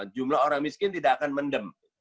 jumlah orang miskin tidak akan mendem